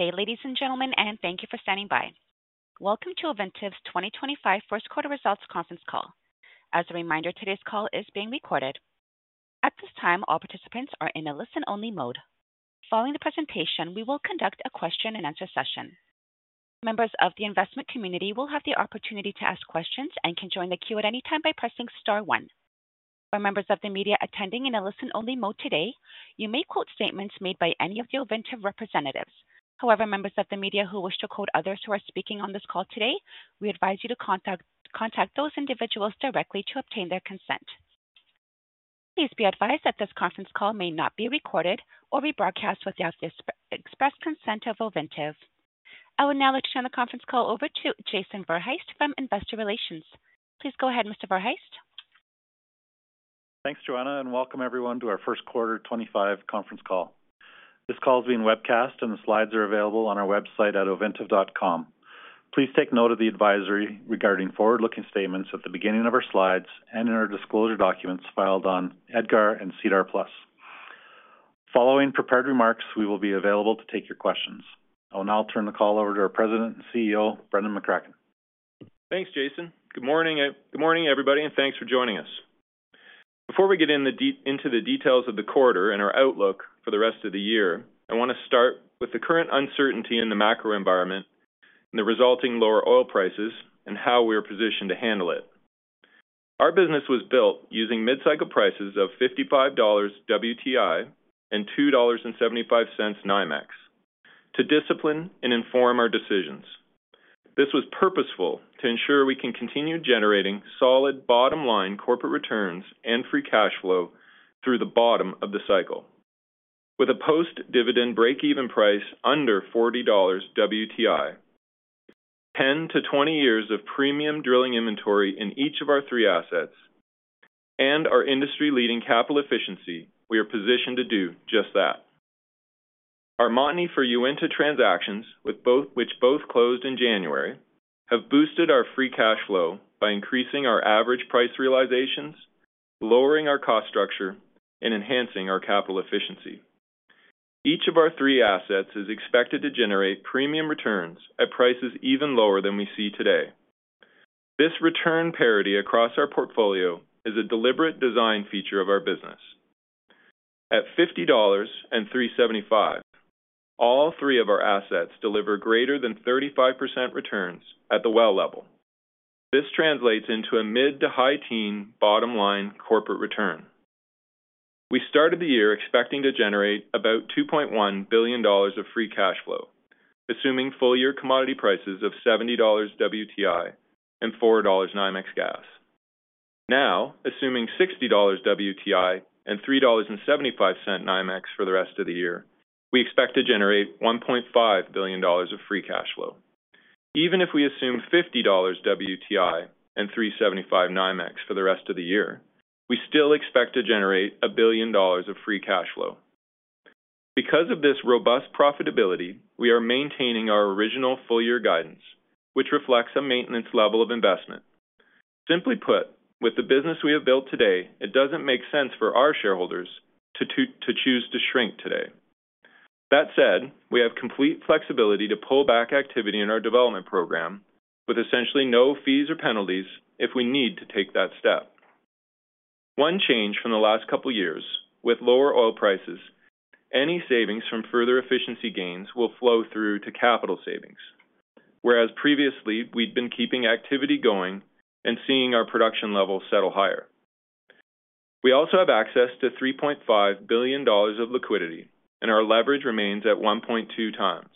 Good day, ladies and gentlemen, and thank you for standing by. Welcome to Ovintiv's 2025 first quarter results conference call. As a reminder, today's call is being recorded. At this time, all participants are in a listen-only mode. Following the presentation, we will conduct a question-and-answer session. Members of the investment community will have the opportunity to ask questions and can join the queue at any time by pressing star one. For members of the media attending in a listen-only mode today, you may quote statements made by any of the Ovintiv representatives. However, members of the media who wish to quote others who are speaking on this call today, we advise you to contact those individuals directly to obtain their consent. Please be advised that this conference call may not be recorded or be broadcast without the express consent of Ovintiv. I will now turn the conference call over to Jason Verhaest from Investor Relations. Please go ahead, Mr. Verhaest. Thanks, Joanne, and welcome everyone to our first quarter 2025 conference call. This call is being webcast, and the slides are available on our website at ovintiv.com. Please take note of the advisory regarding forward-looking statements at the beginning of our slides and in our disclosure documents filed on EDGAR and SEDAR+. Following prepared remarks, we will be available to take your questions. I will now turn the call over to our President and CEO, Brendan McCracken. Thanks, Jason. Good morning, everybody, and thanks for joining us. Before we get into the details of the quarter and our outlook for the rest of the year, I want to start with the current uncertainty in the macro environment and the resulting lower oil prices and how we are positioned to handle it. Our business was built using mid-cycle prices of $55 WTI and $2.75 NYMEX to discipline and inform our decisions. This was purposeful to ensure we can continue generating solid bottom-line corporate returns and free cash flow through the bottom of the cycle. With a post-dividend break-even price under $40 WTI, 10-20 years of premium drilling inventory in each of our three assets, and our industry-leading capital efficiency, we are positioned to do just that. Our Montney for Uinta transactions, which both closed in January, have boosted our free cash flow by increasing our average price realizations, lowering our cost structure, and enhancing our capital efficiency. Each of our three assets is expected to generate premium returns at prices even lower than we see today. This return parity across our portfolio is a deliberate design feature of our business. At $50 and $3.75, all three of our assets deliver greater than 35% returns at the well level. This translates into a mid to high-teen, bottom-line corporate return. We started the year expecting to generate about $2.1 billion of free cash flow, assuming full-year commodity prices of $70 WTI and $4 NYMEX gas. Now, assuming $60 WTI and $3.75 NYMEX for the rest of the year, we expect to generate $1.5 billion of free cash flow. Even if we assume $50 WTI and $3.75 NYMEX for the rest of the year, we still expect to generate a billion dollars of free cash flow. Because of this robust profitability, we are maintaining our original full-year guidance, which reflects a maintenance level of investment. Simply put, with the business we have built today, it doesn't make sense for our shareholders to choose to shrink today. That said, we have complete flexibility to pull back activity in our development program with essentially no fees or penalties if we need to take that step. One change from the last couple of years: with lower oil prices, any savings from further efficiency gains will flow through to capital savings, whereas previously we'd been keeping activity going and seeing our production level settle higher. We also have access to $3.5 billion of liquidity, and our leverage remains at 1.2 times.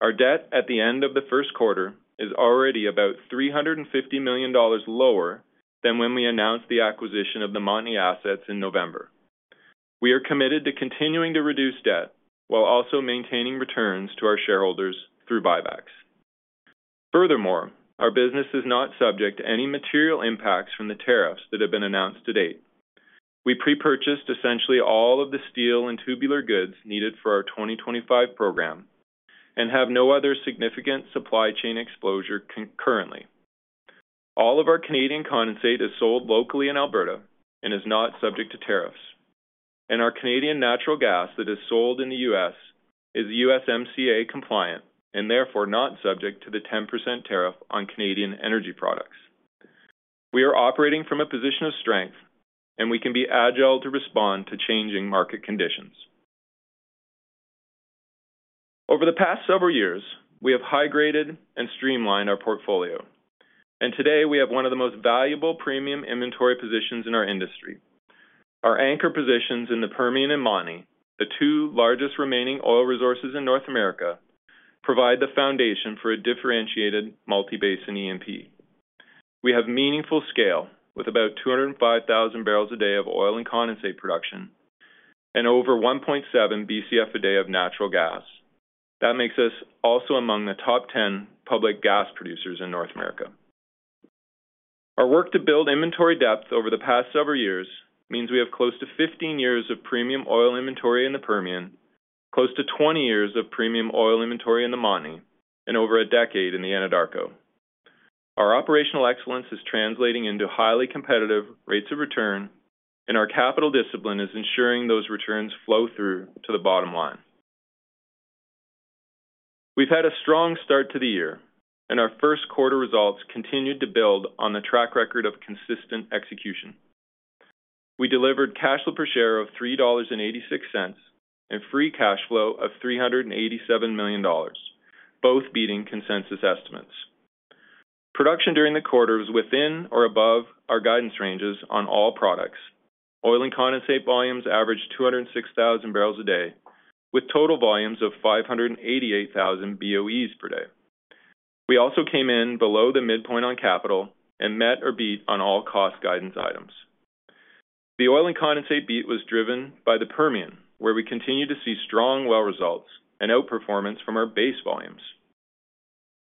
Our debt at the end of the first quarter is already about $350 million lower than when we announced the acquisition of the Montney assets in November. We are committed to continuing to reduce debt while also maintaining returns to our shareholders through buybacks. Furthermore, our business is not subject to any material impacts from the tariffs that have been announced to date. We pre-purchased essentially all of the steel and tubular goods needed for our 2025 program and have no other significant supply chain exposure currently. All of our Canadian condensate is sold locally in Alberta and is not subject to tariffs. Our Canadian natural gas that is sold in the U.S. is USMCA compliant and therefore not subject to the 10% tariff on Canadian energy products. We are operating from a position of strength, and we can be agile to respond to changing market conditions. Over the past several years, we have high-graded and streamlined our portfolio, and today we have one of the most valuable premium inventory positions in our industry. Our anchor positions in the Permian and Montney, the two largest remaining oil resources in North America, provide the foundation for a differentiated multi-basin EMP. We have meaningful scale with about 205,000 barrels a day of oil and condensate production and over 1.7 BCF a day of natural gas. That makes us also among the top 10 public gas producers in North America. Our work to build inventory depth over the past several years means we have close to 15 years of premium oil inventory in the Permian, close to 20 years of premium oil inventory in the Montney, and over a decade in the Anadarko. Our operational excellence is translating into highly competitive rates of return, and our capital discipline is ensuring those returns flow through to the bottom line. We've had a strong start to the year, and our first quarter results continued to build on the track record of consistent execution. We delivered cash flow per share of $3.86 and free cash flow of $387 million, both beating consensus estimates. Production during the quarter was within or above our guidance ranges on all products. Oil and condensate volumes averaged 206,000 barrels a day, with total volumes of 588,000 BOE per day. We also came in below the midpoint on capital and met or beat on all cost guidance items. The oil and condensate beat was driven by the Permian, where we continue to see strong well results and outperformance from our base volumes.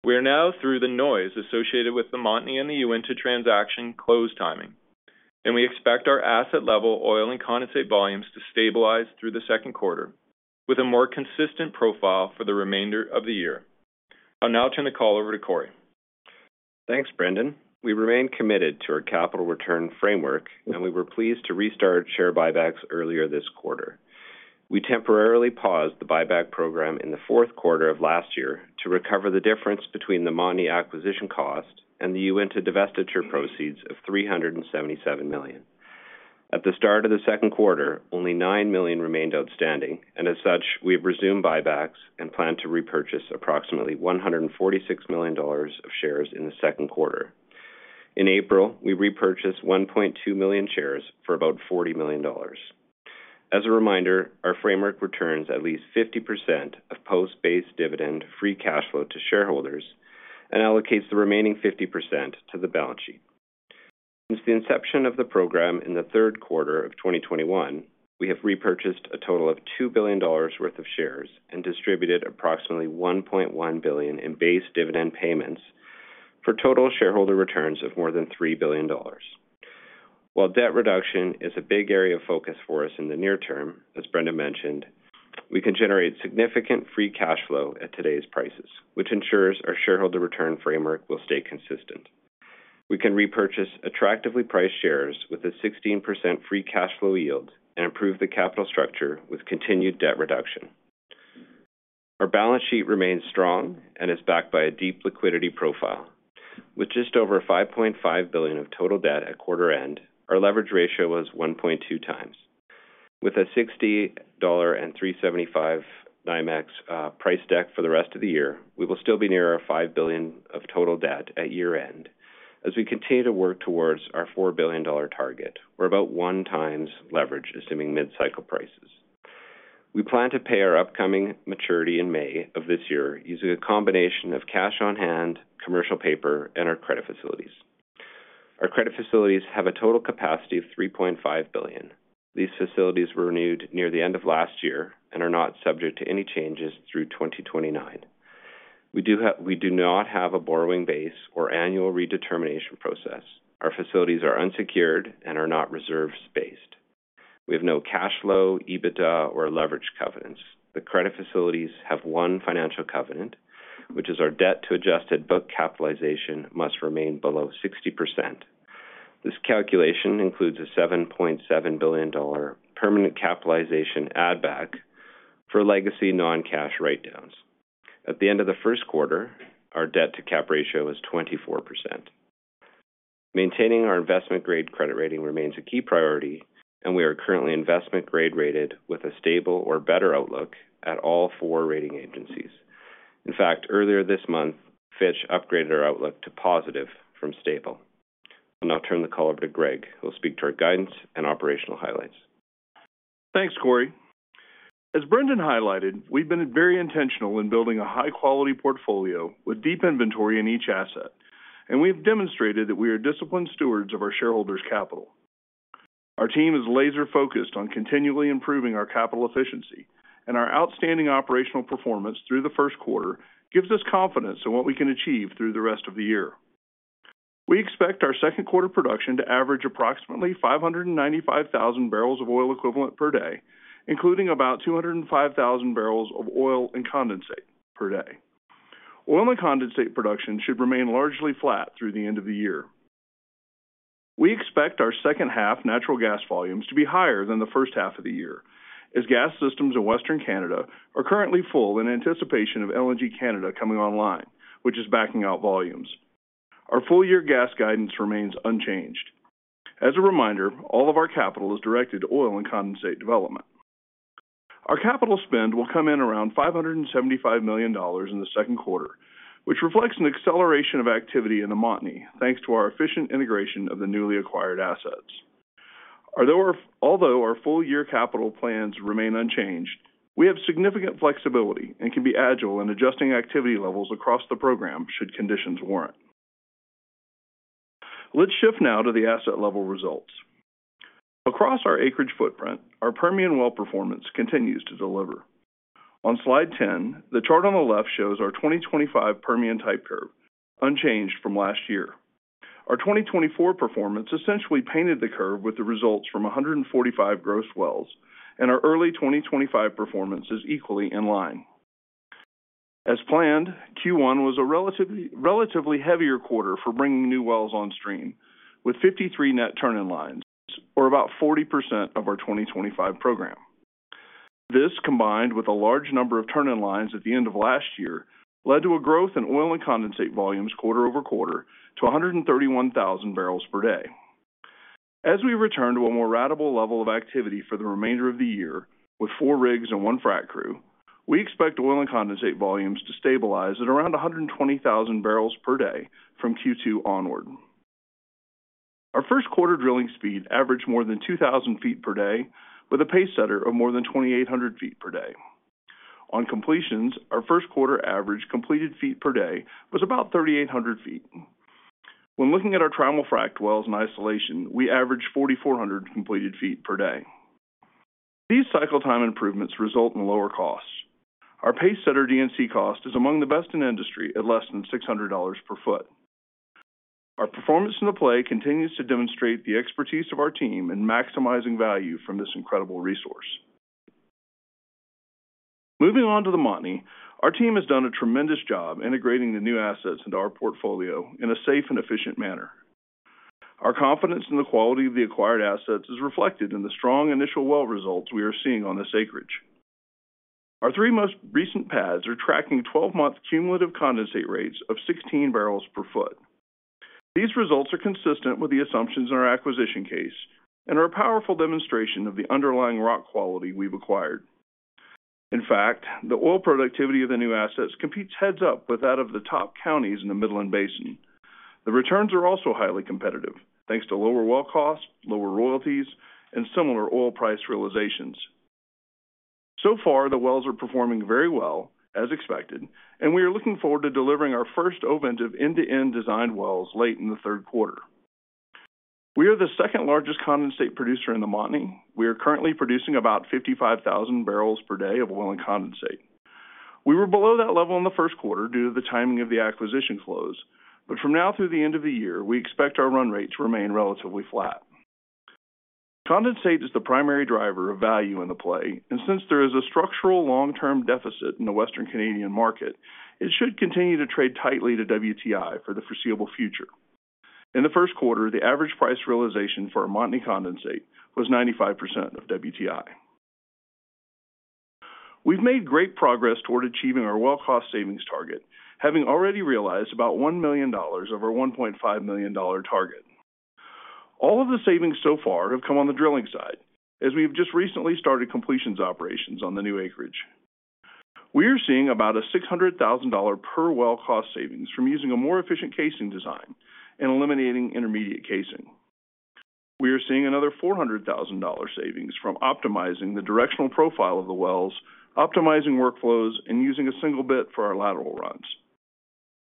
We are now through the noise associated with the Montney and the Uinta transaction close timing, and we expect our asset-level oil and condensate volumes to stabilize through the second quarter with a more consistent profile for the remainder of the year. I'll now turn the call over to Corey. Thanks, Brendan. We remain committed to our capital return framework, and we were pleased to restart share buybacks earlier this quarter. We temporarily paused the buyback program in the fourth quarter of last year to recover the difference between the Montney acquisition cost and the Uinta divestiture proceeds of $377 million. At the start of the second quarter, only $9 million remained outstanding, and as such, we have resumed buybacks and plan to repurchase approximately $146 million of shares in the second quarter. In April, we repurchased 1.2 million shares for about $40 million. As a reminder, our framework returns at least 50% of post-base dividend free cash flow to shareholders and allocates the remaining 50% to the balance sheet. Since the inception of the program in the third quarter of 2021, we have repurchased a total of $2 billion worth of shares and distributed approximately $1.1 billion in base dividend payments for total shareholder returns of more than $3 billion. While debt reduction is a big area of focus for us in the near term, as Brendan mentioned, we can generate significant free cash flow at today's prices, which ensures our shareholder return framework will stay consistent. We can repurchase attractively priced shares with a 16% free cash flow yield and improve the capital structure with continued debt reduction. Our balance sheet remains strong and is backed by a deep liquidity profile. With just over $5.5 billion of total debt at quarter end, our leverage ratio was 1.2 times. With a $60 and $3.75 NYMEX price deck for the rest of the year, we will still be near our $5 billion of total debt at year-end as we continue to work towards our $4 billion target, or about one times leverage assuming mid-cycle prices. We plan to pay our upcoming maturity in May of this year using a combination of cash on hand, commercial paper, and our credit facilities. Our credit facilities have a total capacity of $3.5 billion. These facilities were renewed near the end of last year and are not subject to any changes through 2029. We do not have a borrowing base or annual redetermination process. Our facilities are unsecured and are not reserves based. We have no cash flow, EBITDA, or leverage covenants. The credit facilities have one financial covenant, which is our debt to adjusted book capitalization must remain below 60%. This calculation includes a $7.7 billion permanent capitalization add-back for legacy non-cash write-downs. At the end of the first quarter, our debt to cap ratio was 24%. Maintaining our investment-grade credit rating remains a key priority, and we are currently investment-grade rated with a stable or better outlook at all four rating agencies. In fact, earlier this month, Fitch upgraded our outlook to positive from stable. I'll now turn the call over to Greg, who will speak to our guidance and operational highlights. Thanks, Corey. As Brendan highlighted, we've been very intentional in building a high-quality portfolio with deep inventory in each asset, and we have demonstrated that we are disciplined stewards of our shareholders' capital. Our team is laser-focused on continually improving our capital efficiency, and our outstanding operational performance through the first quarter gives us confidence in what we can achieve through the rest of the year. We expect our second quarter production to average approximately 595,000 barrels of oil equivalent per day, including about 205,000 barrels of oil and condensate per day. Oil and condensate production should remain largely flat through the end of the year. We expect our second half natural gas volumes to be higher than the first half of the year, as gas systems in Western Canada are currently full in anticipation of LNG Canada coming online, which is backing out volumes. Our full-year gas guidance remains unchanged. As a reminder, all of our capital is directed to oil and condensate development. Our capital spend will come in around $575 million in the second quarter, which reflects an acceleration of activity in the Montney thanks to our efficient integration of the newly acquired assets. Although our full-year capital plans remain unchanged, we have significant flexibility and can be agile in adjusting activity levels across the program should conditions warrant. Let's shift now to the asset-level results. Across our acreage footprint, our Permian well performance continues to deliver. On slide 10, the chart on the left shows our 2025 Permian type curve, unchanged from last year. Our 2024 performance essentially painted the curve with the results from 145 gross wells, and our early 2025 performance is equally in line. As planned, Q1 was a relatively heavier quarter for bringing new wells on stream, with 53 net turn-in lines, or about 40% of our 2025 program. This, combined with a large number of turn-in lines at the end of last year, led to a growth in oil and condensate volumes quarter over quarter to 131,000 barrels per day. As we return to a more ratable level of activity for the remainder of the year, with four rigs and one frac crew, we expect oil and condensate volumes to stabilize at around 120,000 barrels per day from Q2 onward. Our first quarter drilling speed averaged more than 2,000 feet per day, with a pace setter of more than 2,800 feet per day. On completions, our first quarter average completed feet per day was about 3,800 feet. When looking at our Trimulfrac wells in isolation, we averaged 4,400 completed feet per day. These cycle time improvements result in lower costs. Our pace setter DNC cost is among the best in industry at less than $600 per foot. Our performance in the play continues to demonstrate the expertise of our team in maximizing value from this incredible resource. Moving on to the Montney, our team has done a tremendous job integrating the new assets into our portfolio in a safe and efficient manner. Our confidence in the quality of the acquired assets is reflected in the strong initial well results we are seeing on this acreage. Our three most recent pads are tracking 12-month cumulative condensate rates of 16 barrels per foot. These results are consistent with the assumptions in our acquisition case and are a powerful demonstration of the underlying rock quality we've acquired. In fact, the oil productivity of the new assets competes heads-up with that of the top counties in the Midland Basin. The returns are also highly competitive, thanks to lower well costs, lower royalties, and similar oil price realizations. So far, the wells are performing very well, as expected, and we are looking forward to delivering our first oven of end-to-end designed wells late in the third quarter. We are the second largest condensate producer in the Montney. We are currently producing about 55,000 barrels per day of oil and condensate. We were below that level in the first quarter due to the timing of the acquisition close, but from now through the end of the year, we expect our run rate to remain relatively flat. Condensate is the primary driver of value in the play, and since there is a structural long-term deficit in the Western Canadian market, it should continue to trade tightly to WTI for the foreseeable future. In the first quarter, the average price realization for Montney condensate was 95% of WTI. We've made great progress toward achieving our well cost savings target, having already realized about $1 million of our $1.5 million target. All of the savings so far have come on the drilling side, as we have just recently started completions operations on the new acreage. We are seeing about a $600,000 per well cost savings from using a more efficient casing design and eliminating intermediate casing. We are seeing another $400,000 savings from optimizing the directional profile of the wells, optimizing workflows, and using a single bit for our lateral runs.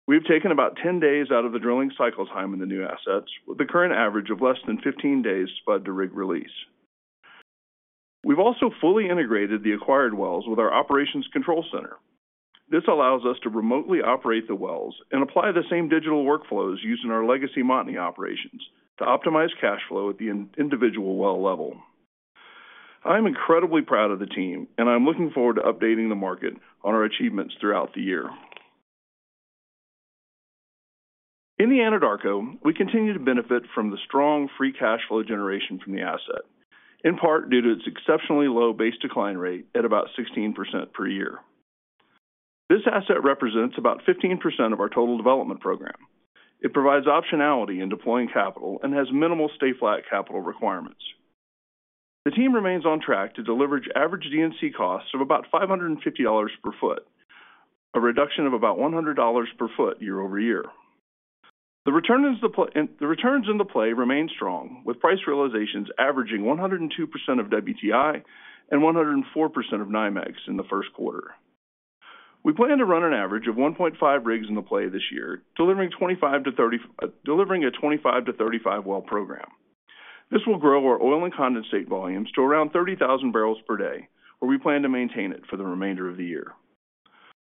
We have taken about 10 days out of the drilling cycle time in the new assets, with the current average of less than 15 days spud to rig release. We've also fully integrated the acquired wells with our operations control center. This allows us to remotely operate the wells and apply the same digital workflows used in our legacy Montney operations to optimize cash flow at the individual well level. I'm incredibly proud of the team, and I'm looking forward to updating the market on our achievements throughout the year. In the Anadarko, we continue to benefit from the strong free cash flow generation from the asset, in part due to its exceptionally low base decline rate at about 16% per year. This asset represents about 15% of our total development program. It provides optionality in deploying capital and has minimal stay-flat capital requirements. The team remains on track to deliver average DNC costs of about $550 per foot, a reduction of about $100 per foot year over year. The returns in the play remain strong, with price realizations averaging 102% of WTI and 104% of NYMEX in the first quarter. We plan to run an average of 1.5 rigs in the play this year, delivering a 25-35 well program. This will grow our oil and condensate volumes to around 30,000 barrels per day, where we plan to maintain it for the remainder of the year.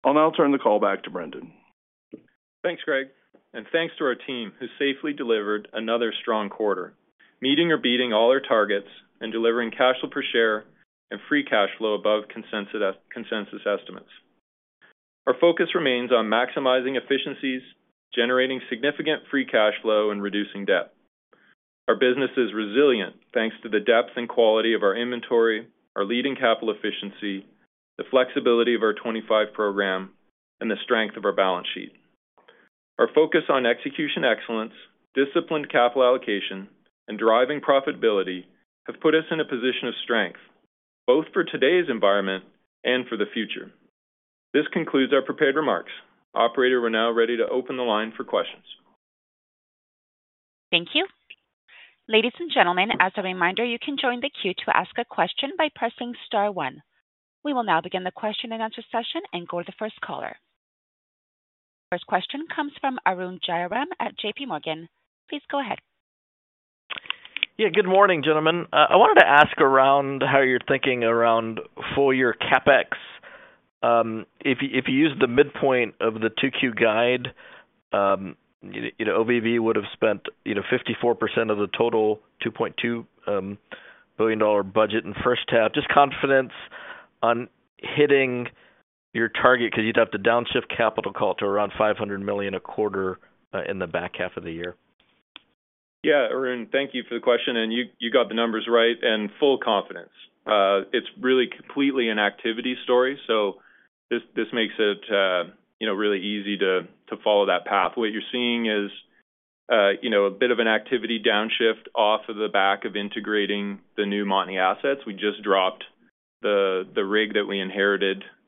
I'll now turn the call back to Brendan. Thanks, Greg, and thanks to our team who safely delivered another strong quarter, meeting or beating all our targets and delivering cash flow per share and free cash flow above consensus estimates. Our focus remains on maximizing efficiencies, generating significant free cash flow, and reducing debt. Our business is resilient thanks to the depth and quality of our inventory, our leading capital efficiency, the flexibility of our 25 program, and the strength of our balance sheet. Our focus on execution excellence, disciplined capital allocation, and driving profitability have put us in a position of strength, both for today's environment and for the future. This concludes our prepared remarks. Operator, we're now ready to open the line for questions. Thank you. Ladies and gentlemen, as a reminder, you can join the queue to ask a question by pressing star one. We will now begin the question and answer session and go to the first caller. First question comes from Arun Jayaram at J.P. Morgan. Please go ahead. Yeah, good morning, gentlemen. I wanted to ask around how you're thinking around full-year CapEx. If you use the midpoint of the 2Q guide, Ovintiv would have spent 54% of the total $2.2 billion budget in the first half. Just confidence on hitting your target because you'd have to downshift capital call to around $500 million a quarter in the back half of the year. Yeah, Arun, thank you for the question. You got the numbers right and full confidence. It is really completely an activity story, so this makes it really easy to follow that path. What you are seeing is a bit of an activity downshift off of the back of integrating the new Montney assets. We just dropped the rig that we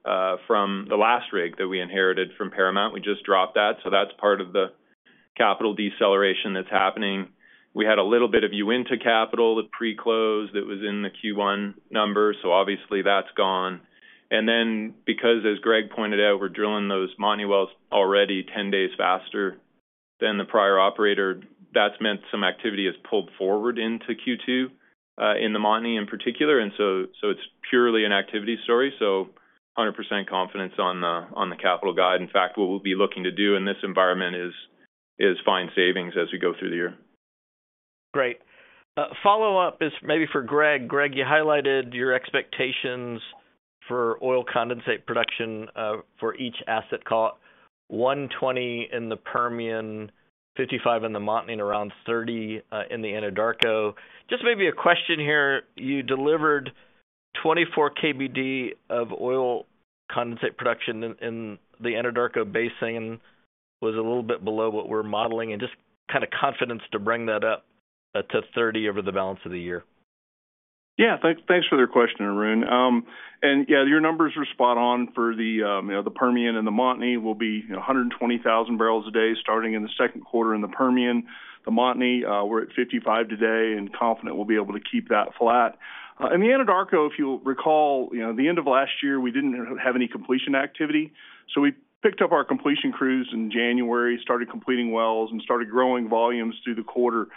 inherited from the last rig that we inherited from Paramount. We just dropped that, so that is part of the capital deceleration that is happening. We had a little bit of Uinta capital that pre-closed that was in the Q1 number, so obviously that is gone. Then, because, as Greg pointed out, we are drilling those Montney wells already 10 days faster than the prior operator, that has meant some activity has pulled forward into Q2 in the Montney in particular, and it is purely an activity story. 100% confidence on the capital guide. In fact, what we'll be looking to do in this environment is find savings as we go through the year. Great. Follow-up is maybe for Greg. Greg, you highlighted your expectations for oil condensate production for each asset call: 120 in the Permian, 55 in the Montney, and around 30 in the Anadarko. Just maybe a question here. You delivered 24 KBD of oil condensate production in the Anadarko Basin, was a little bit below what we're modeling, and just kind of confidence to bring that up to 30 over the balance of the year. Yeah, thanks for the question, Arun. Yeah, your numbers are spot on for the Permian and the Montney. We'll be 120,000 barrels a day starting in the second quarter in the Permian. The Montney, we're at 55 today, and confident we'll be able to keep that flat. In the Anadarko, if you'll recall, the end of last year, we did not have any completion activity, so we picked up our completion crews in January, started completing wells, and started growing volumes through the quarter.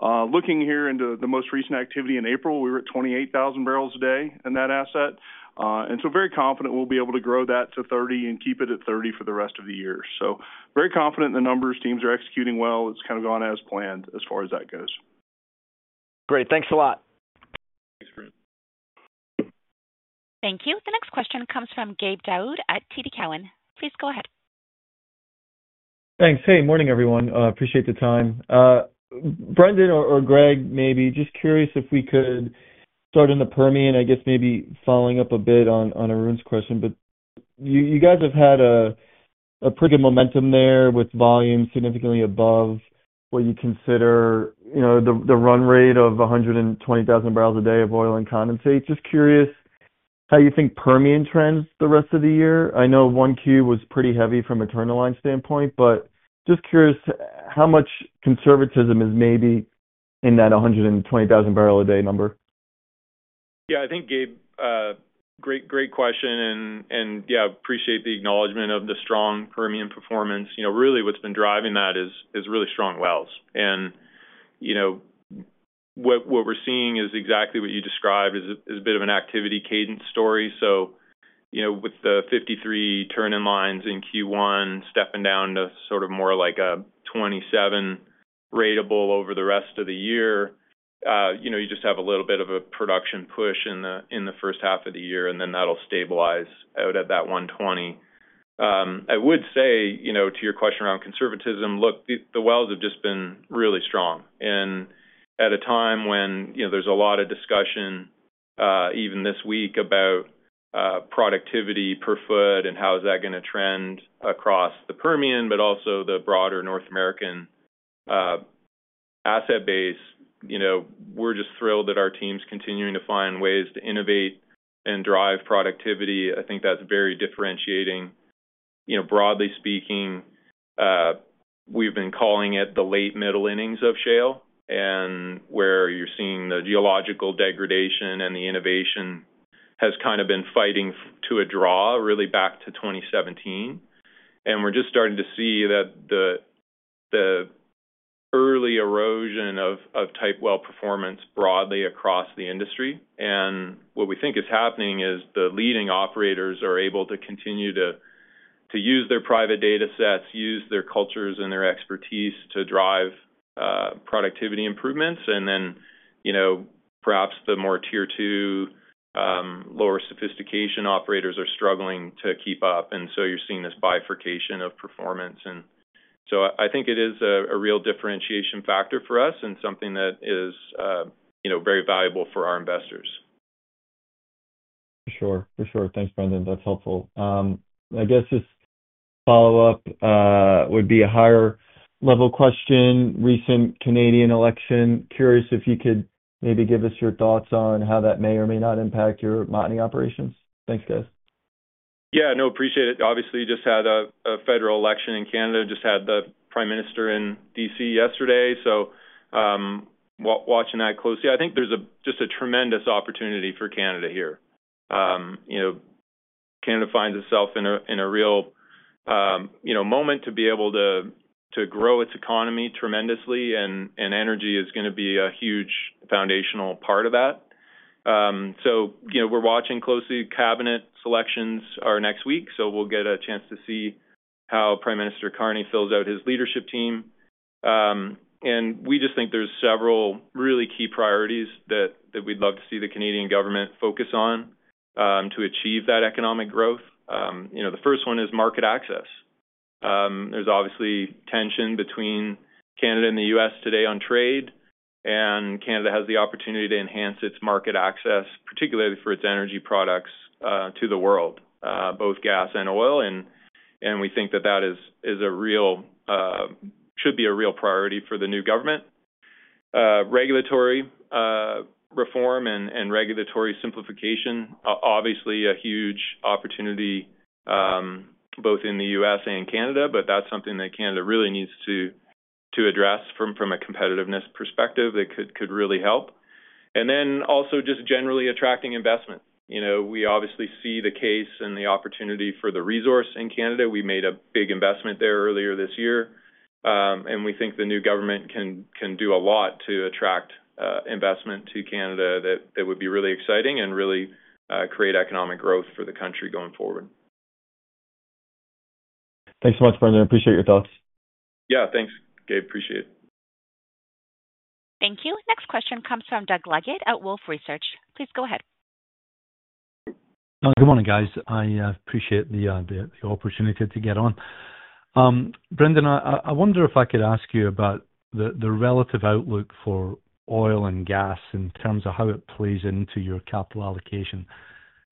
Looking here into the most recent activity in April, we were at 28,000 barrels a day in that asset, and very confident we'll be able to grow that to 30 and keep it at 30 for the rest of the year. Very confident in the numbers. Teams are executing well. It has kind of gone as planned as far as that goes. Great. Thanks a lot. Thank you. The next question comes from Gabe Daoud at TD Cowen. Please go ahead. Thanks. Hey, morning, everyone. Appreciate the time. Brendan or Greg, maybe just curious if we could start in the Permian, I guess maybe following up a bit on Arun's question, but you guys have had a pretty good momentum there with volume significantly above what you consider the run rate of 120,000 barrels a day of oil and condensate. Just curious how you think Permian trends the rest of the year. I know one Q was pretty heavy from a turn-in-line standpoint, but just curious how much conservatism is maybe in that 120,000 barrel a day number. Yeah, I think Gabe, great question, and yeah, appreciate the acknowledgment of the strong Permian performance. Really, what's been driving that is really strong wells. What we're seeing is exactly what you described as a bit of an activity cadence story. With the 53 turn-in lines in Q1 stepping down to sort of more like a 27 ratable over the rest of the year, you just have a little bit of a production push in the first half of the year, and then that'll stabilize out at that 120. I would say to your question around conservatism, look, the wells have just been really strong. At a time when there's a lot of discussion, even this week, about productivity per foot and how is that going to trend across the Permian, but also the broader North American asset base, we're just thrilled that our team's continuing to find ways to innovate and drive productivity. I think that's very differentiating. Broadly speaking, we've been calling it the late middle innings of shale, and where you're seeing the geological degradation and the innovation has kind of been fighting to a draw really back to 2017. We're just starting to see the early erosion of type well performance broadly across the industry. What we think is happening is the leading operators are able to continue to use their private data sets, use their cultures and their expertise to drive productivity improvements, and then perhaps the more tier two, lower sophistication operators are struggling to keep up. You are seeing this bifurcation of performance. I think it is a real differentiation factor for us and something that is very valuable for our investors. For sure. For sure. Thanks, Brendan. That's helpful. I guess just follow-up would be a higher level question. Recent Canadian election. Curious if you could maybe give us your thoughts on how that may or may not impact your Montney operations. Thanks, guys. Yeah, no, appreciate it. Obviously, just had a federal election in Canada, just had the prime minister in D.C. yesterday, so watching that closely. I think there's just a tremendous opportunity for Canada here. Canada finds itself in a real moment to be able to grow its economy tremendously, and energy is going to be a huge foundational part of that. We're watching closely cabinet selections next week, so we'll get a chance to see how Prime Minister Carney fills out his leadership team. We just think there's several really key priorities that we'd love to see the Canadian government focus on to achieve that economic growth. The first one is market access. There's obviously tension between Canada and the U.S. today on trade, and Canada has the opportunity to enhance its market access, particularly for its energy products to the world, both gas and oil. We think that that should be a real priority for the new government. Regulatory reform and regulatory simplification, obviously a huge opportunity both in the U.S. and Canada, but that's something that Canada really needs to address from a competitiveness perspective that could really help. Also, just generally attracting investment. We obviously see the case and the opportunity for the resource in Canada. We made a big investment there earlier this year, and we think the new government can do a lot to attract investment to Canada that would be really exciting and really create economic growth for the country going forward. Thanks so much, Brendan. Appreciate your thoughts. Yeah, thanks, Gabe. Appreciate it. Thank you. Next question comes from Doug Leggate at Wolfe Research. Please go ahead. Good morning, guys. I appreciate the opportunity to get on. Brendan, I wonder if I could ask you about the relative outlook for oil and gas in terms of how it plays into your capital allocation.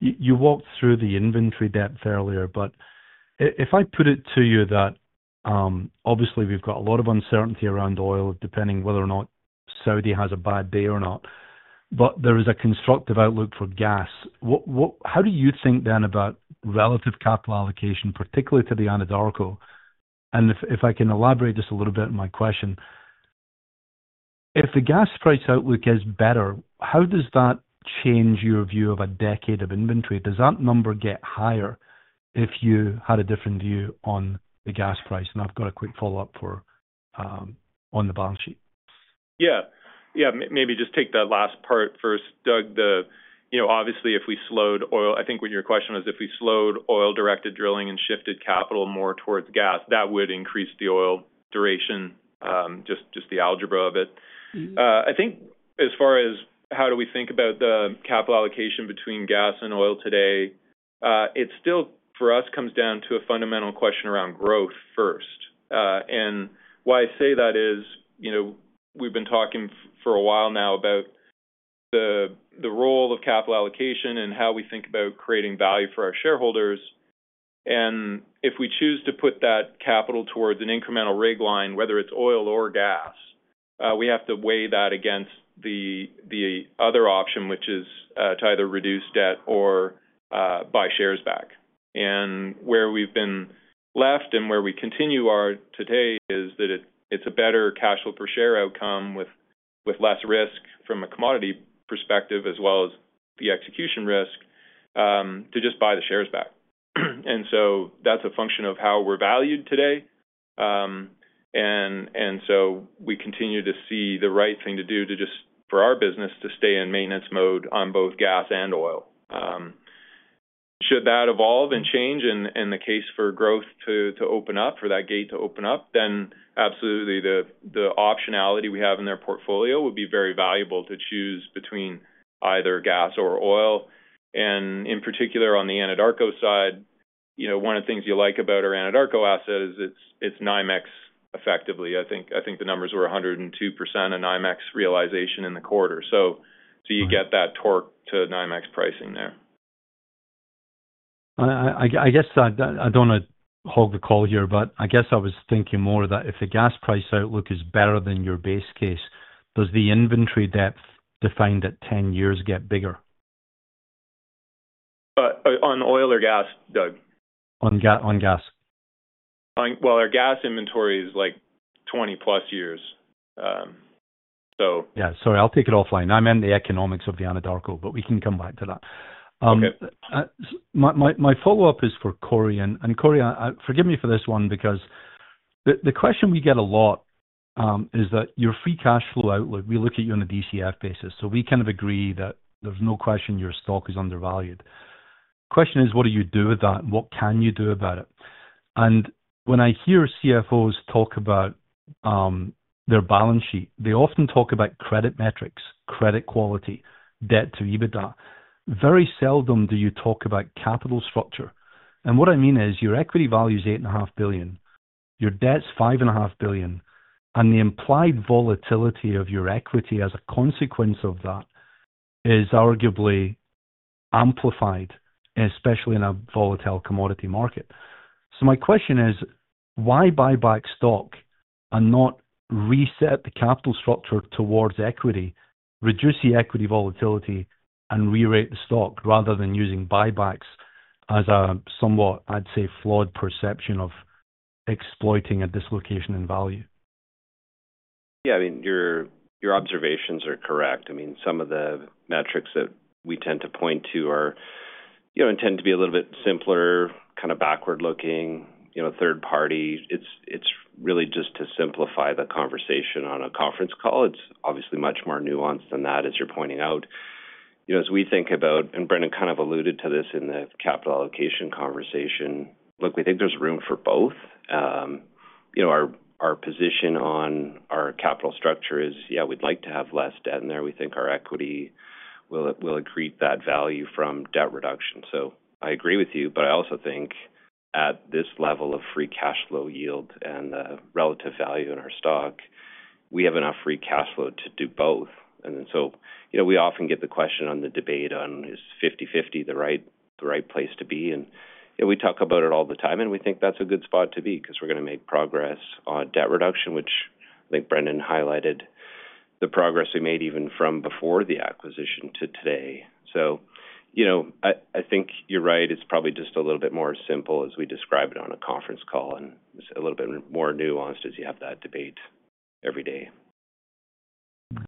You walked through the inventory depth earlier, but if I put it to you that obviously we've got a lot of uncertainty around oil, depending whether or not Saudi has a bad day or not, but there is a constructive outlook for gas. How do you think then about relative capital allocation, particularly to the Anadarko? If I can elaborate just a little bit on my question, if the gas price outlook is better, how does that change your view of a decade of inventory? Does that number get higher if you had a different view on the gas price? I've got a quick follow-up on the balance sheet. Yeah. Yeah, maybe just take that last part first, Doug. Obviously, if we slowed oil—I think what your question was—if we slowed oil-directed drilling and shifted capital more towards gas, that would increase the oil duration, just the algebra of it. I think as far as how do we think about the capital allocation between gas and oil today, it still, for us, comes down to a fundamental question around growth first. Why I say that is we've been talking for a while now about the role of capital allocation and how we think about creating value for our shareholders. If we choose to put that capital towards an incremental rig line, whether it's oil or gas, we have to weigh that against the other option, which is to either reduce debt or buy shares back. Where we have been left and where we continue today is that it is a better cash flow per share outcome with less risk from a commodity perspective as well as the execution risk to just buy the shares back. That is a function of how we are valued today. We continue to see the right thing to do for our business is to stay in maintenance mode on both gas and oil. Should that evolve and change and the case for growth open up, for that gate to open up, then absolutely the optionality we have in the portfolio would be very valuable to choose between either gas or oil. In particular, on the Anadarko side, one of the things you like about our Anadarko asset is it is NYMEX effectively. I think the numbers were 102% of NYMEX realization in the quarter. So you get that torque to NYMEX pricing there. I guess I don't want to hog the call here, but I guess I was thinking more that if the gas price outlook is better than your base case, does the inventory depth defined at 10 years get bigger? On oil or gas, Doug? On gas. Our gas inventory is like 20-plus years, so. Yeah, sorry, I'll take it offline. I'm in the economics of the Anadarko, but we can come back to that. My follow-up is for Corey. And Corey, forgive me for this one because the question we get a lot is that your free cash flow outlook, we look at you on a DCF basis. So we kind of agree that there's no question your stock is undervalued. The question is, what do you do with that? What can you do about it? And when I hear CFOs talk about their balance sheet, they often talk about credit metrics, credit quality, debt to EBITDA. Very seldom do you talk about capital structure. And what I mean is your equity value is $8.5 billion, your debt's $5.5 billion, and the implied volatility of your equity as a consequence of that is arguably amplified, especially in a volatile commodity market. My question is, why buy back stock and not reset the capital structure towards equity, reduce the equity volatility, and re-rate the stock rather than using buybacks as a somewhat, I'd say, flawed perception of exploiting a dislocation in value? Yeah, I mean, your observations are correct. I mean, some of the metrics that we tend to point to intend to be a little bit simpler, kind of backward-looking, third-party. It is really just to simplify the conversation on a conference call. It is obviously much more nuanced than that, as you are pointing out. As we think about—and Brendan kind of alluded to this in the capital allocation conversation—look, we think there is room for both. Our position on our capital structure is, yeah, we would like to have less debt in there. We think our equity will accrete that value from debt reduction. I agree with you, but I also think at this level of free cash flow yield and the relative value in our stock, we have enough free cash flow to do both. We often get the question on the debate on is 50/50 the right place to be. We talk about it all the time, and we think that's a good spot to be because we're going to make progress on debt reduction, which I think Brendan highlighted the progress we made even from before the acquisition to today. I think you're right. It's probably just a little bit more simple as we describe it on a conference call and a little bit more nuanced as you have that debate every day.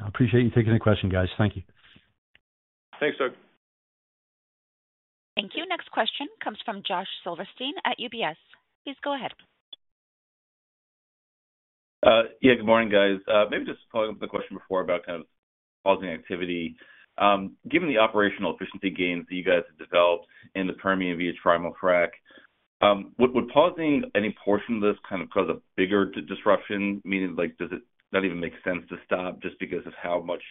Appreciate you taking the question, guys. Thank you. Thanks, Doug. Thank you. Next question comes from Josh Silverstein at UBS. Please go ahead. Yeah, good morning, guys. Maybe just following up on the question before about kind of pausing activity. Given the operational efficiency gains that you guys have developed in the Permian via Trimulfrac, would pausing any portion of this kind of cause a bigger disruption? Meaning, does it not even make sense to stop just because of how much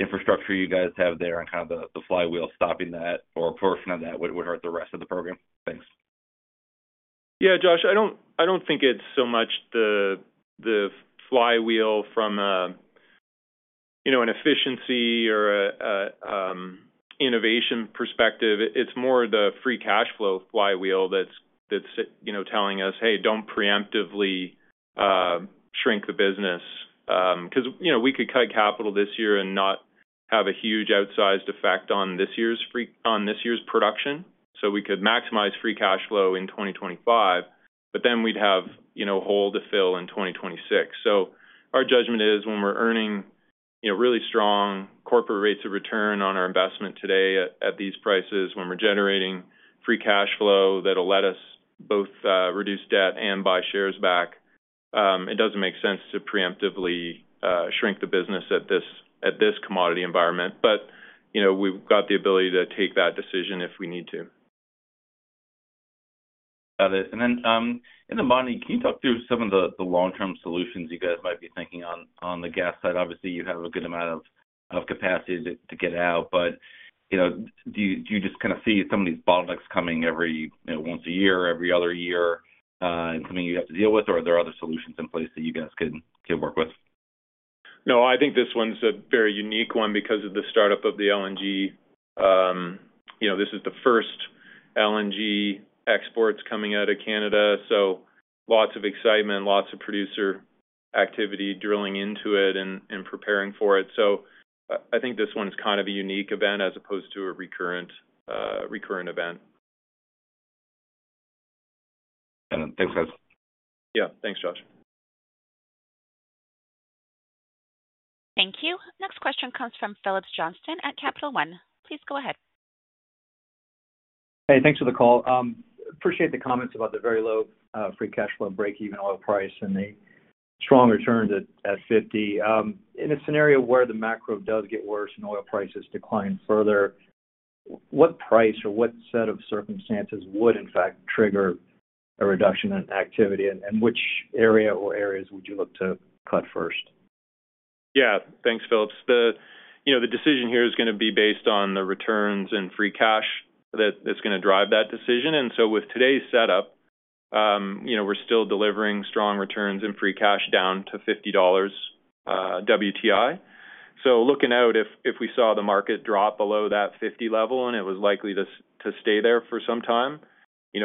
infrastructure you guys have there and kind of the flywheel stopping that, or a portion of that would hurt the rest of the program? Thanks. Yeah, Josh, I don't think it's so much the flywheel from an efficiency or an innovation perspective. It's more the free cash flow flywheel that's telling us, "Hey, don't pre-emptively shrink the business." Because we could cut capital this year and not have a huge outsized effect on this year's production. We could maximize free cash flow in 2025, but then we'd have a hole to fill in 2026. Our judgment is when we're earning really strong corporate rates of return on our investment today at these prices, when we're generating free cash flow that'll let us both reduce debt and buy shares back, it doesn't make sense to pre-emptively shrink the business at this commodity environment. We've got the ability to take that decision if we need to. Got it. In the Montney, can you talk through some of the long-term solutions you guys might be thinking on the gas side? Obviously, you have a good amount of capacity to get out, but do you just kind of see some of these bottlenecks coming every once a year, every other year, and something you have to deal with, or are there other solutions in place that you guys can work with? No, I think this one's a very unique one because of the startup of the LNG. This is the first LNG exports coming out of Canada. Lots of excitement, lots of producer activity drilling into it and preparing for it. I think this one is kind of a unique event as opposed to a recurrent event. Thanks, guys. Yeah, thanks, Josh. Thank you. Next question comes from Phillips Johnston at Capital One. Please go ahead. Hey, thanks for the call. Appreciate the comments about the very low free cash flow break-even oil price and the strong returns at $50. In a scenario where the macro does get worse and oil prices decline further, what price or what set of circumstances would, in fact, trigger a reduction in activity, and which area or areas would you look to cut first? Yeah, thanks, Phillips. The decision here is going to be based on the returns and free cash that's going to drive that decision. With today's setup, we're still delivering strong returns and free cash down to $50 WTI. Looking out, if we saw the market drop below that $50 level and it was likely to stay there for some time,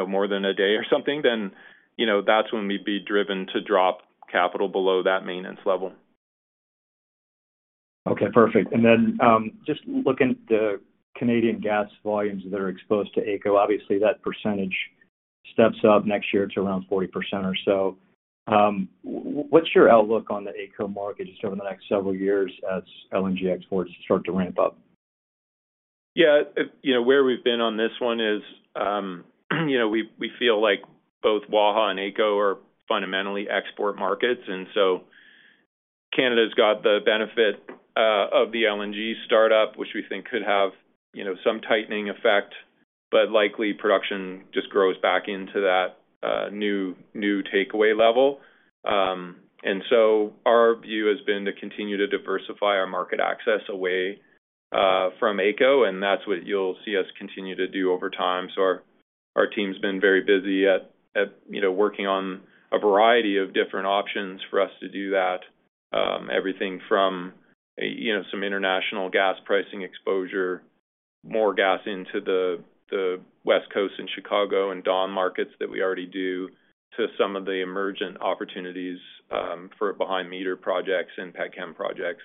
more than a day or something, that's when we'd be driven to drop capital below that maintenance level. Okay, perfect. Then just looking at the Canadian gas volumes that are exposed to AECO, obviously that percentage steps up next year to around 40% or so. What's your outlook on the AECO market just over the next several years as LNG exports start to ramp up? Yeah, where we've been on this one is we feel like both Waha and AECO are fundamentally export markets. Canada's got the benefit of the LNG startup, which we think could have some tightening effect, but likely production just grows back into that new takeaway level. Our view has been to continue to diversify our market access away from AECO, and that's what you'll see us continue to do over time. Our team's been very busy at working on a variety of different options for us to do that, everything from some international gas pricing exposure, more gas into the West Coast and Chicago and Dawn markets that we already do, to some of the emergent opportunities for behind-meter projects and peaking projects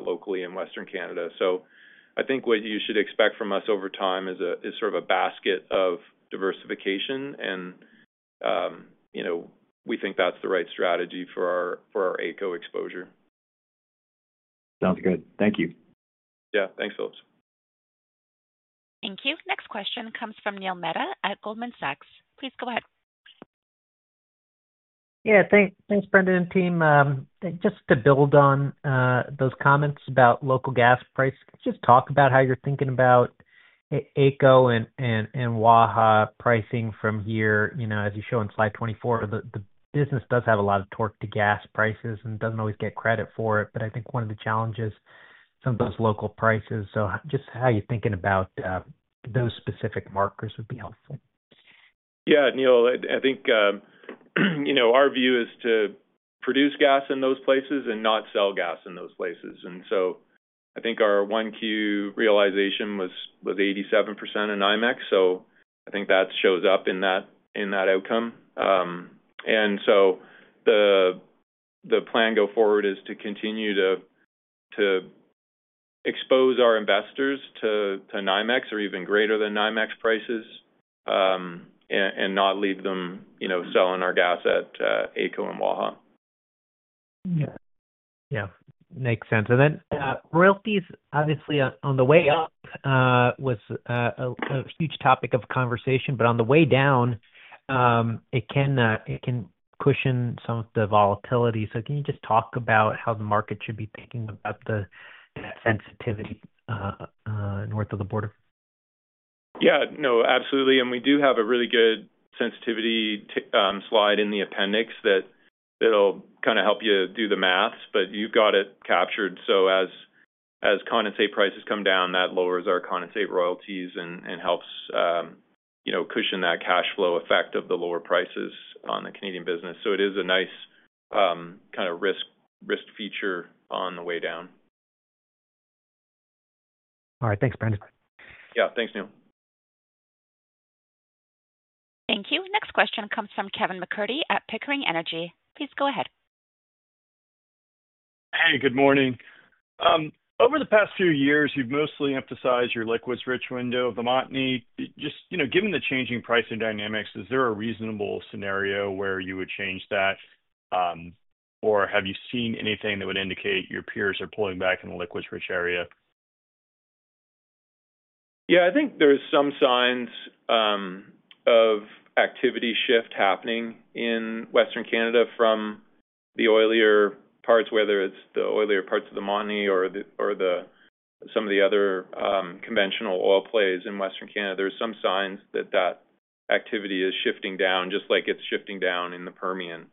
locally in Western Canada. I think what you should expect from us over time is sort of a basket of diversification, and we think that's the right strategy for our AECO exposure. Sounds good. Thank you. Yeah, thanks, Phillips. Thank you. Next question comes from Neil Mehta at Goldman Sachs. Please go ahead. Yeah, thanks, Brendan and team. Just to build on those comments about local gas prices, just talk about how you're thinking about AECO and Waha pricing from here. As you show on slide 24, the business does have a lot of torque to gas prices and does not always get credit for it. I think one of the challenges is some of those local prices. Just how you're thinking about those specific markers would be helpful. Yeah, Neil, I think our view is to produce gas in those places and not sell gas in those places. I think our Q1 realization was 87% in NYMEX. I think that shows up in that outcome. The plan going forward is to continue to expose our investors to NYMEX or even greater than NYMEX prices and not leave them selling our gas at AECO and Waha. Yeah, yeah, makes sense. Then royalties, obviously, on the way up was a huge topic of conversation, but on the way down, it can cushion some of the volatility. Can you just talk about how the market should be thinking about that sensitivity north of the border? Yeah, no, absolutely. We do have a really good sensitivity slide in the appendix that'll kind of help you do the math, but you've got it captured. As condensate prices come down, that lowers our condensate royalties and helps cushion that cash flow effect of the lower prices on the Canadian business. It is a nice kind of risk feature on the way down. All right, thanks, Brendan. Yeah, thanks, Neil. Thank you. Next question comes from Kevin MacCurdy at Pickering Energy Partners. Please go ahead. Hey, good morning. Over the past few years, you've mostly emphasized your liquids-rich window of the Montney. Just given the changing pricing dynamics, is there a reasonable scenario where you would change that, or have you seen anything that would indicate your peers are pulling back in the liquids-rich area? Yeah, I think there are some signs of activity shift happening in Western Canada from the oilier parts, whether it's the oilier parts of the Montney or some of the other conventional oil plays in Western Canada. There are some signs that that activity is shifting down, just like it's shifting down in the Permian.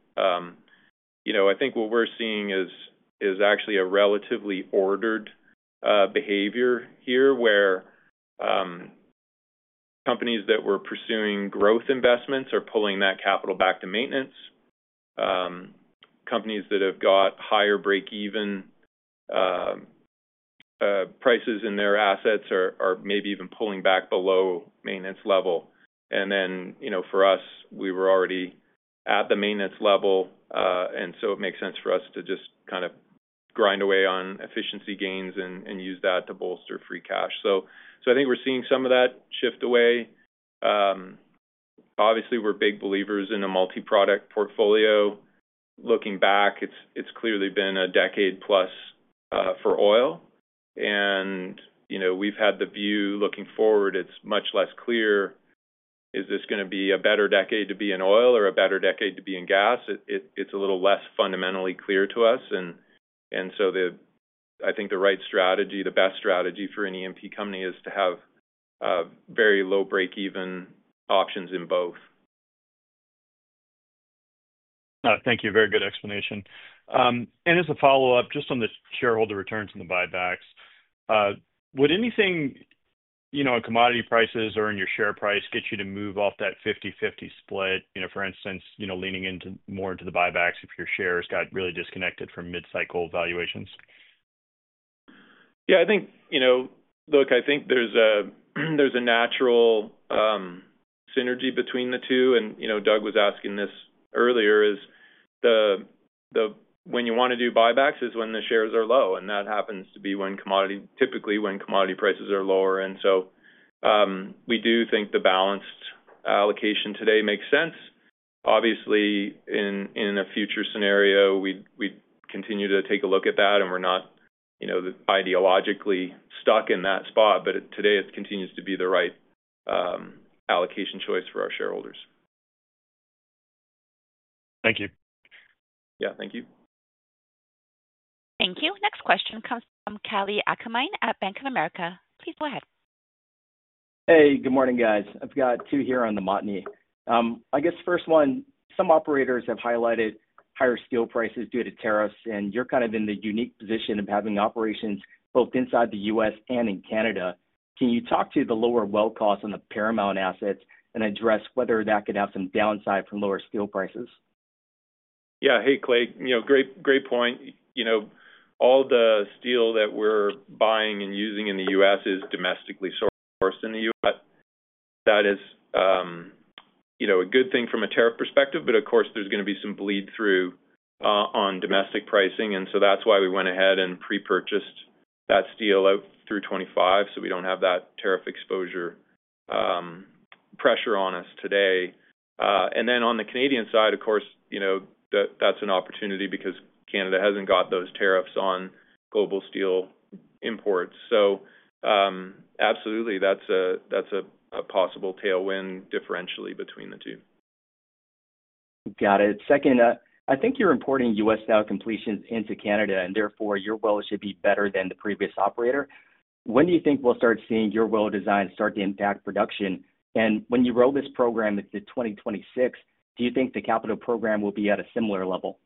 I think what we're seeing is actually a relatively ordered behavior here where companies that were pursuing growth investments are pulling that capital back to maintenance. Companies that have got higher break-even prices in their assets are maybe even pulling back below maintenance level. For us, we were already at the maintenance level, and it makes sense for us to just kind of grind away on efficiency gains and use that to bolster free cash. I think we're seeing some of that shift away. Obviously, we're big believers in a multi-product portfolio. Looking back, it's clearly been a decade-plus for oil. We've had the view looking forward; it's much less clear: is this going to be a better decade to be in oil or a better decade to be in gas? It's a little less fundamentally clear to us. I think the right strategy, the best strategy for any MP company is to have very low break-even options in both. Thank you. Very good explanation. As a follow-up, just on the shareholder returns and the buybacks, would anything—commodity prices or in your share price—get you to move off that 50/50 split, for instance, leaning more into the buybacks if your shares got really disconnected from mid-cycle valuations? I think, look, I think there is a natural synergy between the two. Doug was asking this earlier: when you want to do buybacks is when the shares are low, and that happens to be typically when commodity prices are lower. We do think the balanced allocation today makes sense. Obviously, in a future scenario, we would continue to take a look at that, and we are not ideologically stuck in that spot, but today it continues to be the right allocation choice for our shareholders. Thank you. Yeah, thank you. Thank you. Next question comes from Kelly Akamine at Bank of America. Please go ahead. Hey, good morning, guys. I've got two here on the Montney. I guess first one, some operators have highlighted higher steel prices due to tariffs, and you're kind of in the unique position of having operations both inside the U.S. and in Canada. Can you talk to the lower well costs on the Paramount assets and address whether that could have some downside from lower steel prices? Yeah, hey, Kalei, great point. All the steel that we're buying and using in the U.S. is domestically sourced in the U.S. That is a good thing from a tariff perspective, but of course, there's going to be some bleed-through on domestic pricing. That is why we went ahead and pre-purchased that steel out through 2025 so we do not have that tariff exposure pressure on us today. On the Canadian side, of course, that is an opportunity because Canada has not got those tariffs on global steel imports. Absolutely, that is a possible tailwind differentially between the two. Got it. Second, I think you're importing U.S.-style completions into Canada, and therefore your well should be better than the previous operator. When do you think we'll start seeing your well design start to impact production? When you roll this program into 2026, do you think the capital program will be at a similar level?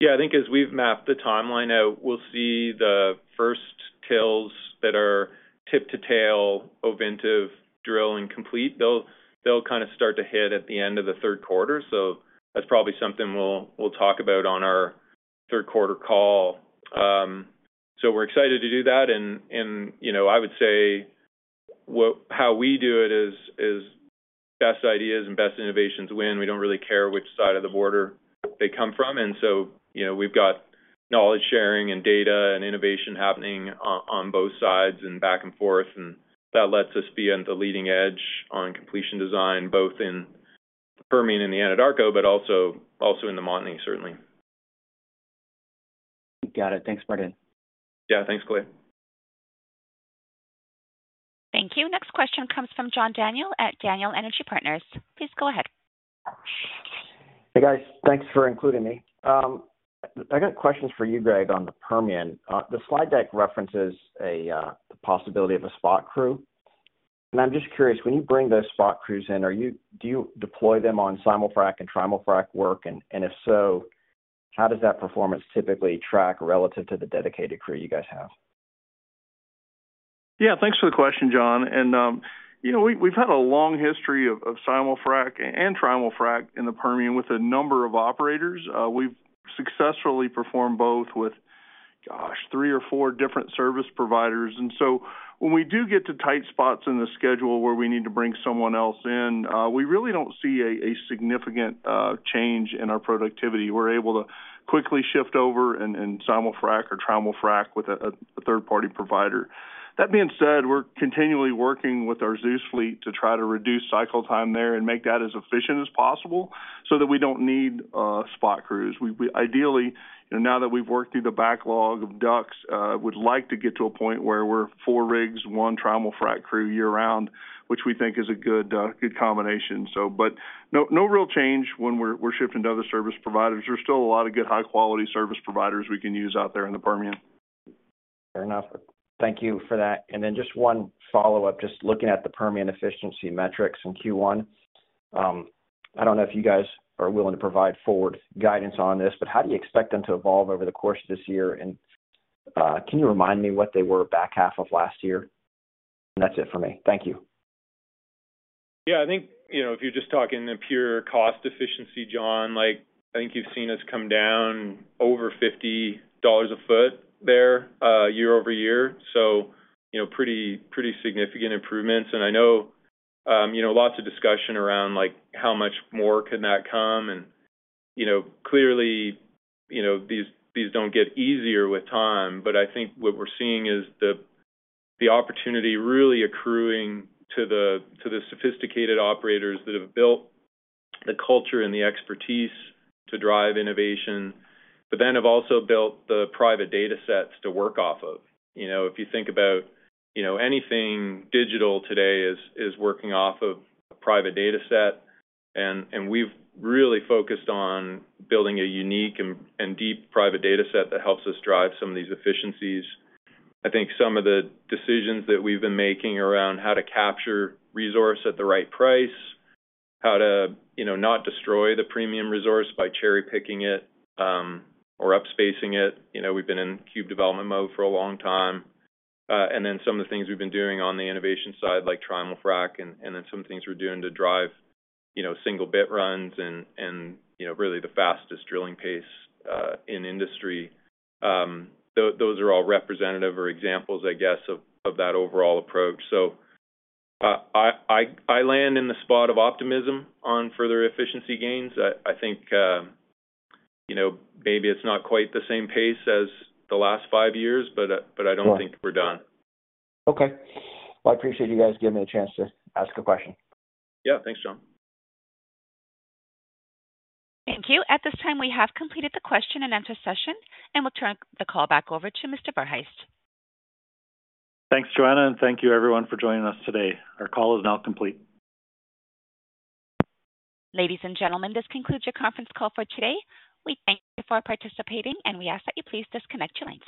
Yeah, I think as we've mapped the timeline out, we'll see the first TILs that are tip-to-tail, Ovintiv drill and complete. They'll kind of start to hit at the end of the third quarter. That's probably something we'll talk about on our third-quarter call. We're excited to do that. I would say how we do it is best ideas and best innovations win. We don't really care which side of the border they come from. We've got knowledge sharing and data and innovation happening on both sides and back and forth, and that lets us be at the leading edge on completion design, both in Permian and the Anadarko, but also in the Montney, certainly. Got it. Thanks, Brendan. Yeah, thanks, Kalei. Thank you. Next question comes from John Daniel at Daniel Energy Partners. Please go ahead. Hey, guys, thanks for including me. I got questions for you, Greg, on the Permian. The slide deck references the possibility of a spot crew. I'm just curious, when you bring those spot crews in, do you deploy them on Simulfrac and Trimulfrac work? If so, how does that performance typically track relative to the dedicated crew you guys have? Yeah, thanks for the question, John. We've had a long history of Simulfrac and Trimulfrac in the Permian with a number of operators. We've successfully performed both with, gosh, three or four different service providers. When we do get to tight spots in the schedule where we need to bring someone else in, we really do not see a significant change in our productivity. We're able to quickly shift over and Simulfrac or Trimulfrac with a third-party provider. That being said, we're continually working with our Zeus fleet to try to reduce cycle time there and make that as efficient as possible so that we do not need spot crews. Ideally, now that we've worked through the backlog of ducks, we'd like to get to a point where we're four rigs, one Trimulfrac crew year-round, which we think is a good combination. No real change when we're shifting to other service providers. There's still a lot of good high-quality service providers we can use out there in the Permian. Fair enough. Thank you for that. Just one follow-up, just looking at the Permian efficiency metrics in Q1. I do not know if you guys are willing to provide forward guidance on this, but how do you expect them to evolve over the course of this year? Can you remind me what they were back half of last year? That is it for me. Thank you. Yeah, I think if you're just talking in pure cost efficiency, John, I think you've seen us come down over $50 a foot there year over year. Pretty significant improvements. I know lots of discussion around how much more can that come. Clearly, these do not get easier with time, but I think what we're seeing is the opportunity really accruing to the sophisticated operators that have built the culture and the expertise to drive innovation, but then have also built the private data sets to work off of. If you think about anything digital today, it is working off of a private data set, and we've really focused on building a unique and deep private data set that helps us drive some of these efficiencies. I think some of the decisions that we've been making around how to capture resource at the right price, how to not destroy the premium resource by cherry-picking it or upspacing it. We've been in cube development mode for a long time. Some of the things we've been doing on the innovation side, like Trimulfrac, and then some things we're doing to drive single-bit runs and really the fastest drilling pace in industry, those are all representative or examples, I guess, of that overall approach. I land in the spot of optimism on further efficiency gains. I think maybe it's not quite the same pace as the last five years, but I don't think we're done. Okay. I appreciate you guys giving me a chance to ask a question. Yeah, thanks, John. Thank you. At this time, we have completed the question-and-answer session, and we'll turn the call back over to Mr. Verhaest. Thanks, Joanne, and thank you, everyone, for joining us today. Our call is now complete. Ladies and gentlemen, this concludes your conference call for today. We thank you for participating, and we ask that you please disconnect your lines.